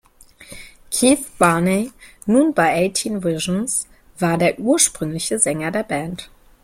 Keith Barney, nun bei Eighteen Visions, war der ursprüngliche Sänger der Band.